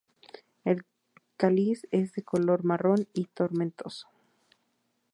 El cáliz es de color marrón y tomentoso.